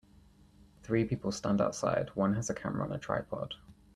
Three people stand outside one has a camera on a tripod.